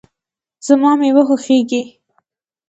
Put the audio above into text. زما مېوه خوښیږي